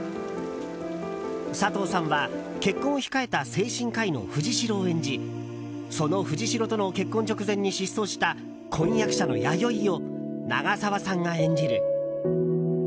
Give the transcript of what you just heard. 佐藤さんは、結婚を控えた精神科医の藤代を演じその藤代との結婚直前に失踪した婚約者の弥生を長澤さんが演じる。